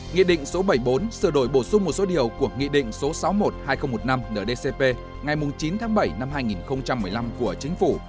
nghị định số bảy mươi bốn sửa đổi bổ sung một số điều của nghị định số sáu mươi một hai nghìn một mươi năm ndcp ngày chín tháng bảy năm hai nghìn một mươi năm của chính phủ